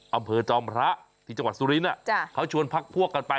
อำเภอจอมพระที่จังหวัดสุรินทร์เขาชวนพักพวกกันไป